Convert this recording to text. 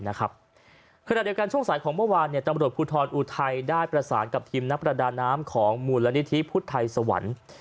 ขณะเดียวกันช่วงสายของเมื่อวานตำรวจภูทรอุทัยได้ประสานกับทีมนักประดาน้ำของมูลนิธิพุทธไทยสวรรค์